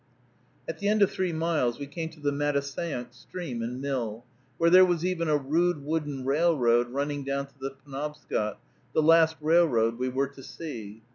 At the end of three miles we came to the Mattaseunk stream and mill, where there was even a rude wooden railroad running down to the Penobscot, the last railroad we were to see.